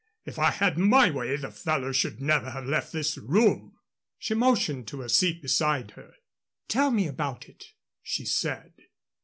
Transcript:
If I had my way the fellow should never have left this room." She motioned to a seat beside her. "Tell me about it," she said.